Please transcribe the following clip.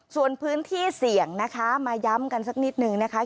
ส่วนพื้นที่เสี่ยงนะคะมาย้ำกันสักนิดนึงนะคะ